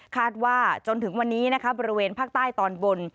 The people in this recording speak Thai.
ว่าจนถึงวันนี้นะคะบริเวณภาคใต้ตอนบน